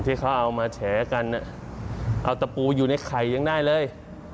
ที่เขาเอามาแฉกันเอาตะปูอยู่ในไข่ยังได้เลย